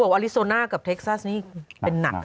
บอกว่าอลิซอน่ากับเท็กซัสนี่เป็นหนัก